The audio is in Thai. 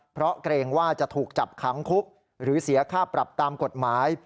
เพราะเกรงว่าจะถูกจับขังคุกหรือเสียค่าปรับตามกฎหมาย